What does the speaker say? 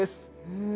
うん。